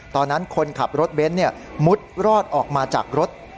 ตอนนั้นคนขับรถเบนท์มุดรอดออกมาจากรถ